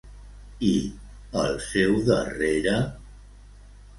I al seu darrere?